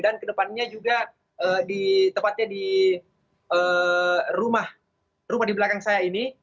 dan ke depannya juga tepatnya di rumah di belakang saya ini